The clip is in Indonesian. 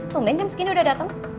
tunggu sembilan jam segini udah dateng